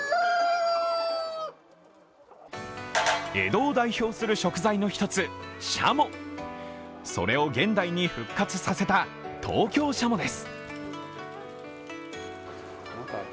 江戸を代表する食材の一つ、しゃもそれを現代に復活させた東京しゃもです。